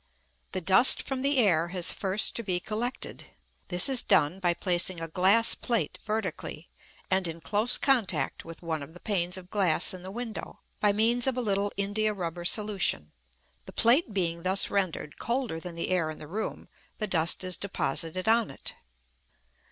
The dust from the air has first to be collected. This is done by placing a glass plate vertically, and in close contact with one of the panes of glass in the window, by means of a little india rubber solution. The plate being thus rendered colder than the air in the room, the dust is deposited on it.